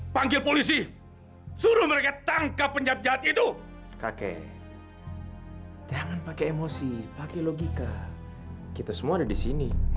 sampai jumpa di video selanjutnya